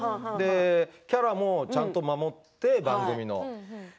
キャラもちゃんと守って、番組の。